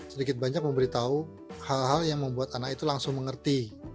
sedikit banyak memberitahu hal hal yang membuat anak itu langsung mengerti